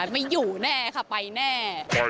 ไม่อยู่แน่ค่ะไปแน่